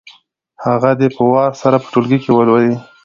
هغه دې په وار سره په ټولګي کې ولولي.